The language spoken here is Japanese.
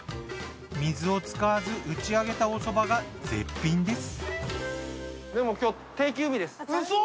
水を使わずうちあげたおそばが絶品です。